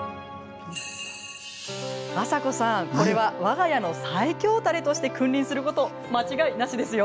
あさこさんこれはわが家の最強たれとして君臨すること間違いなしですよ！